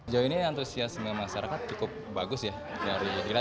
jauh ini antusiasme masyarakat cukup bagus ya